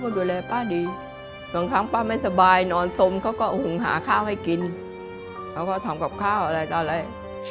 เมียก็เลยทำให้ขาดรายได้